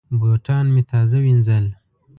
بوټان مې تازه وینځل.